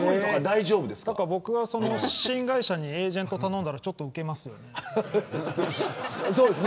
だから僕が新会社にエージェント頼んだらちょっとうけますよね。